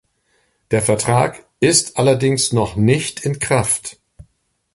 Der Vertrag ist allerdings noch nicht in Kraft.